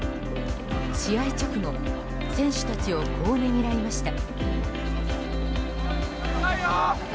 試合直後、選手たちをこうねぎらいました。